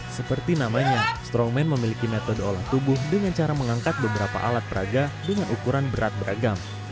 seperti namanya stroman memiliki metode olah tubuh dengan cara mengangkat beberapa alat peraga dengan ukuran berat beragam